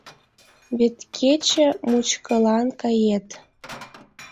Вет кече мучкылан кает.